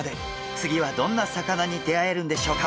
次はどんな魚に出会えるんでしょうか？